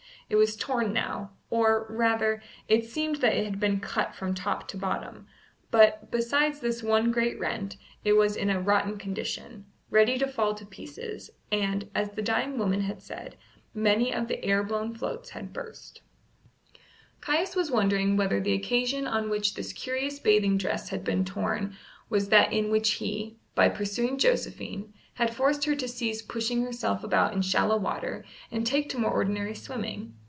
It was torn now, or, rather, it seemed that it had been cut from top to bottom; but, besides this one great rent, it was in a rotten condition, ready to fall to pieces, and, as the dying woman had said, many of the air blown floats had burst. Caius was wondering whether the occasion on which this curious bathing dress had been torn was that in which he, by pursuing Josephine, had forced her to cease pushing herself about in shallow water and take to more ordinary swimming.